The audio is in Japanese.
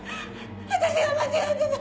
私が間違ってた！